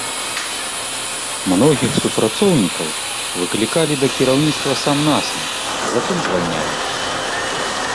Многіх супрацоўнікаў выклікалі да кіраўніцтва сам-насам, затым звальнялі.